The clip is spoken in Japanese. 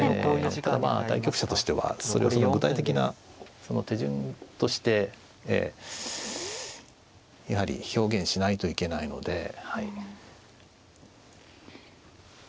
対局者としてはそれをその具体的な手順としてやはり表現しないといけないので。